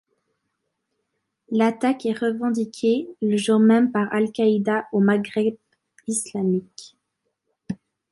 L'attaque est revendiquée le jour même par Al-Qaïda au Maghreb islamique.